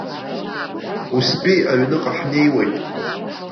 Устәи аҩныҟа ҳнеиуеит.